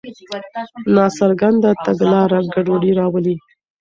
ناڅرګنده تګلاره ګډوډي راولي.